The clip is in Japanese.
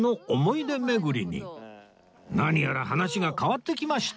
何やら話が変わってきました